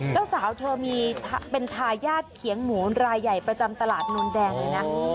เจ้าสาวเธอมีเป็นทายาทเขียงหมูรายใหญ่ประจำตลาดนวลแดงเลยนะ